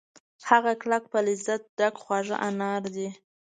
هغه کلک په لذت ډک خواږه انار دي